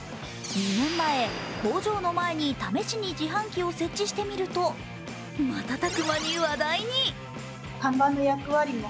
２年前、工場の前に試しに自販機を設置してみると、瞬く間に話題に。